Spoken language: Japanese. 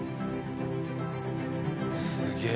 すげえ！